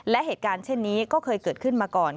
และเหตุการณ์เช่นนี้ก็เคยเกิดขึ้นมาก่อน